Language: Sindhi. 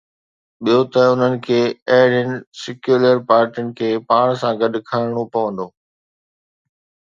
ٻيو ته انهن کي اهڙين سيڪيولر پارٽين کي پاڻ سان گڏ کڻڻو پوندو.